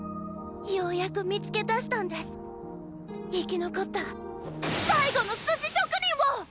ようやく見つけ出だしたんデス生き残った最後のスシ職人を！